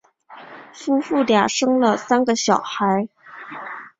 夫妇俩生了三个小孩。